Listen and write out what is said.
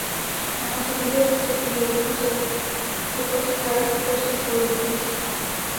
A consecuencia de sus actividades contra el apartheid, fue expulsado del colegio.